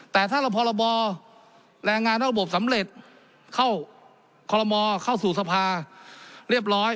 แต่ถ้าเราพรบแรงงานทั้งระบบสำเร็จเข้าคอลโลมอเข้าสู่สภาเรียบร้อย